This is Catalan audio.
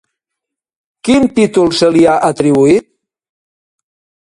Quin títol se li ha atribuït?